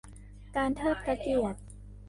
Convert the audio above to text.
การเทิดพระเกียรติ